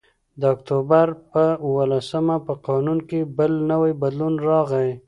د اکتوبر په اوولسمه په قانون کې بل نوی بدلون راغی